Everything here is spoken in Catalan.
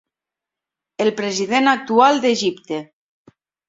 El president actual d'Egipte.